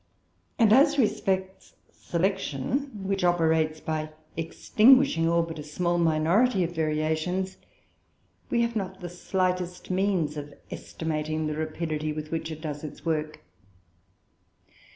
And, as respects selection, which operates by extinguishing all but a small minority of variations, we have not the slightest means of estimating the rapidity with which it does its work.